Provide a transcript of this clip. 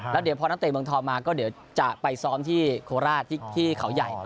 แล้วเดี๋ยวพอนักเตะเมืองทองมาก็เดี๋ยวจะไปซ้อมที่โคราชที่เขาใหญ่